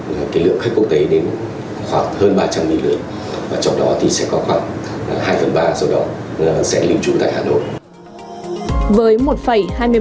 là lượng khách quốc tế đến khoảng hơn ba trăm linh lượt và trong đó thì sẽ có khoảng hai phần ba số đó sẽ lưu trú tại hà nội